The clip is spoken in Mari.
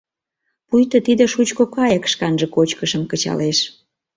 Пуйто тиде шучко кайык шканже кочкышым кычалеш.